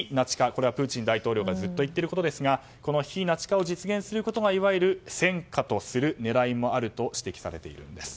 これはプーチン大統領がずっと言っていることですがこの非ナチ化を実現することがいわゆる戦果とする狙いもあると指摘されているんです。